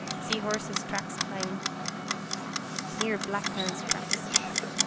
See horse's tracks plain. Here black man's tracks.